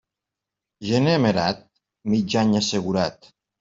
Gener amerat, mig any assegurat.